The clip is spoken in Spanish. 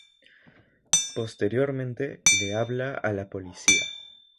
Posteriormente, le habla a la policía.